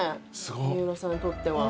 三浦さんにとっては。